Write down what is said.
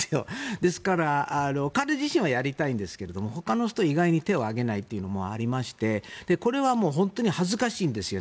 ですから、彼自身はやりたいんですけどほかの人は意外に手を挙げないというのがありましてこれは本当に恥ずかしいんですよね。